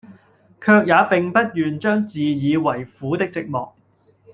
卻也並不願將自以爲苦的寂寞，